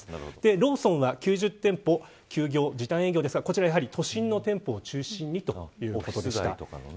ローソンは９０店舗休業、時短営業ですがこちらも都心の店舗を中心にということです。